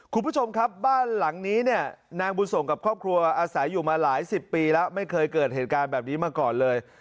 คุณผู้ชมครับบ้านหลังนี้เนี่ยนางบุญส่งกับครอบครัวอาศัยอยู่มาหลายสิบปีแล้วไม่เคยเกิดเหตุการณ์แบบนี้มาก่อนเลย